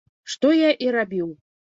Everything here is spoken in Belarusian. Што я і рабіў.